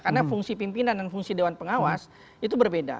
karena fungsi pimpinan dan fungsi dewan pengawas itu berbeda